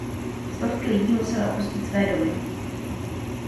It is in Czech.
Stovky lidí musely opustit své domy.